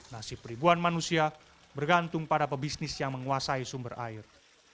nasib ribuan manusia bergantung pada pebisnis yang menguasai sumber air